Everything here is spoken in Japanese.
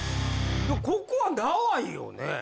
ここは長いよね？